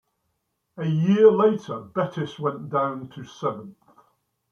A year later Betis went down to seventh.